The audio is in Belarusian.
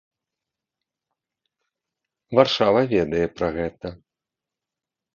Варшава ведае пра гэта.